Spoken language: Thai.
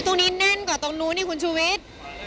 อุ้ยตรงนี้แน่นกว่าตรงนู้นนี่คุณชุวิษ